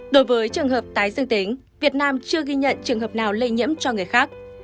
đối với trường hợp tái dương tính việt nam chưa ghi nhận trường hợp nào lây nhiễm cho người khác